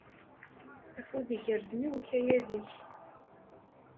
Afud igerrzen i ukayad-ik!